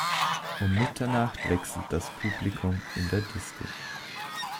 Um Mitternacht wechselt das Publikum in der Disco.